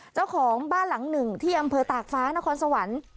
เจ้าของบ้านหลังหนึ่งที่อำเภอตากฟ้านครสวรรค์